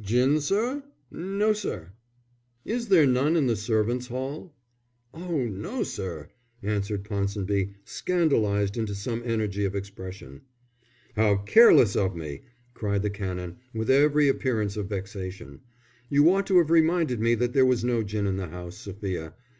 "Gin, sir? No, sir." "Is there none in the servants' hall?" "Oh no, sir!" answered Ponsonby, scandalized into some energy of expression. "How careless of me!" cried the Canon, with every appearance of vexation. "You ought to have reminded me that there was no gin in the house, Sophia.